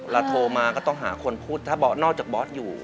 โทรมาก็ต้องหาคนพูดถ้านอกจากบอสอยู่